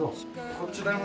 こちらが。